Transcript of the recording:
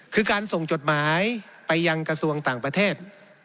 คือการส่งจดหมายไปยังกระทรวงต่างประเทศ